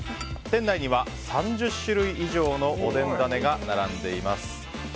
店内には３０種類以上のおでんだねが並んでいます。